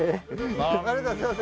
ありがとうございます。